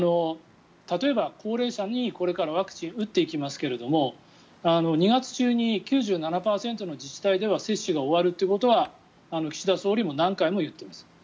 例えば高齢者にこれからワクチンを打っていきますけど２月中に９７％の自治体で接種が終わるということは岸田総理も何回も言っています。